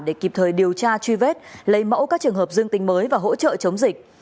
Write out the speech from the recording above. để kịp thời điều tra truy vết lấy mẫu các trường hợp dương tính mới và hỗ trợ chống dịch